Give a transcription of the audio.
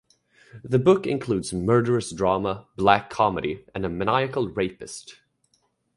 The book includes murderous drama, black comedy, and a maniacal rapist.